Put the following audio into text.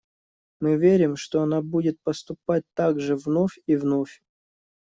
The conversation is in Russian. Мы верим, что она будет поступать так же вновь и вновь.